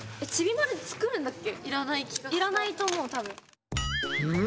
いらないと思うたぶん。